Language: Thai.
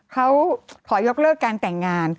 เขาขอยกเลิกการแต่งงาน